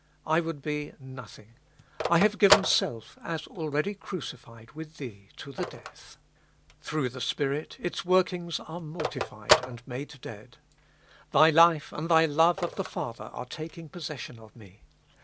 I would be nothing. I have given self, as already crucified with Thee, to the death. Through the Spirit its workings are mortified and made dead ; Tliy life and Thy love of the Father are taking pos session of me.